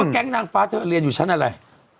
แกงหนังฟ้าแหละไหมเขาเรียนอยู่ชั้นอะไร